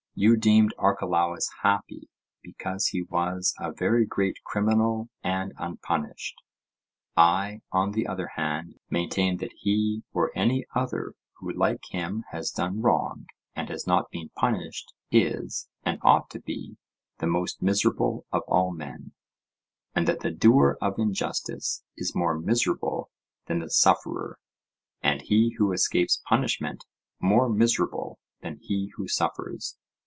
You deemed Archelaus happy, because he was a very great criminal and unpunished: I, on the other hand, maintained that he or any other who like him has done wrong and has not been punished, is, and ought to be, the most miserable of all men; and that the doer of injustice is more miserable than the sufferer; and he who escapes punishment, more miserable than he who suffers.